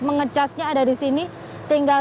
mengecasnya ada disini tinggal